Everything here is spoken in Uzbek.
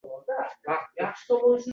Ko’zlaridan qochardi nur